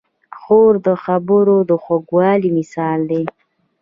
خور د خبرو د خوږوالي مثال ده.